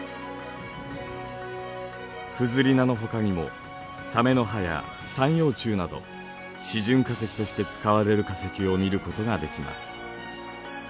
フズリナのほかにもサメの歯や三葉虫など示準化石として使われる化石を見ることができます。